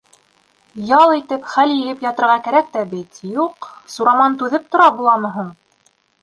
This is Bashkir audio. Ял итеп, хәл йыйып ятырға кәрәк тә бит, юҡ, Сураман түҙеп тора буламы һуң!